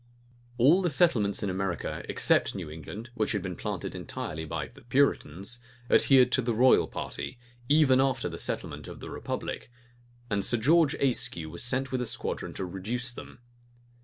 All the settlements in America, except New England, which had been planted entirely by the Puritans, adhered to the royal party, even after the settlement of the republic; and Sir George Ayscue was sent with a squadron to reduce them.